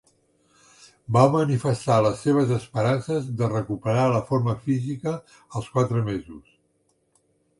Va manifestar les seves esperances de recuperar la forma física als quatre mesos.